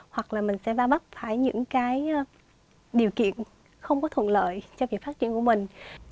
hoặc là mình sẽ va bắp phải những cái điều kiện không có thuận lợi cho việc phát triển của mình